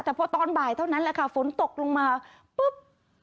แต่พอตอนบ่ายเท่านั้นแหละค่ะฝนตกลงมาปุ๊บ